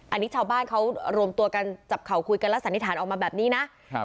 อันนี้ชาวบ้านเขารวมตัวกันจับเข่าคุยกันและสันนิษฐานออกมาแบบนี้นะครับ